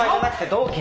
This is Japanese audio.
同期！